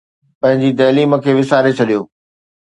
پنهنجي تعليم کي وساري ڇڏيو